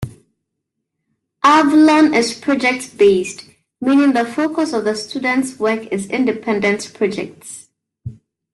Avalon is project-based, meaning the focus of the student's work is independent projects.